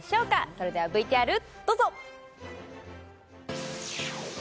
それではＶＴＲどうぞ！